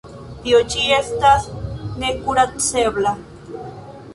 Tio ĉi estas nekuracebla.